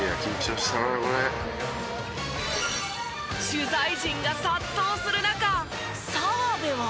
取材陣が殺到する中澤部は。